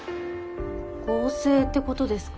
合成ってことですか？